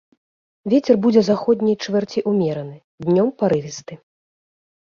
Вецер будзе заходняй чвэрці ўмераны, днём парывісты.